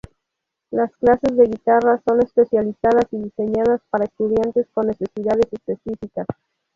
Las clases de guitarra son especializadas y diseñadas para estudiantes con necesidades específicas.